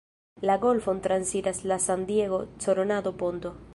La golfon transiras la San-Diego–Coronado Ponto.